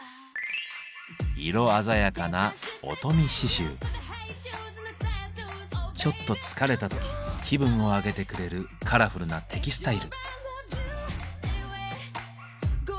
色鮮やかなちょっと疲れた時気分を上げてくれるカラフルなテキスタイル。